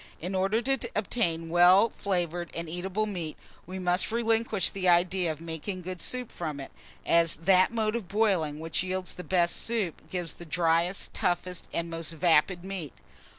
In order to obtain well flavoured and eatable meat, we must relinquish the idea of making good soup from it, as that mode of boiling which yields the best soup gives the driest, toughest, and most vapid meat.